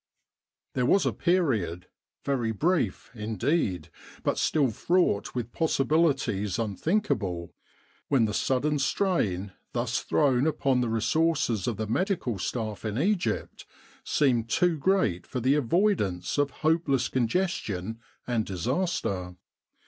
There was a period very brief, indeed, but still fraught with possibilities unthinkable when the sudden strain thus thrown upon the resources of the Medical Staff in Egypt seemed too great for the avoidance of hopeless congestion and disaster.